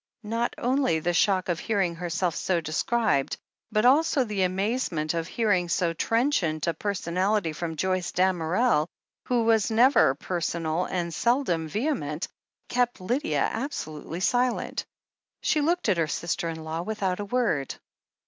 Not only the shock of hearing herself so described, but also the amazement of hearing so trenchant a per sonality from Joyce Damerel, who was never personal, and seldom vehement, kept Lydia absolutely silent. She looked at her sister in law without a word.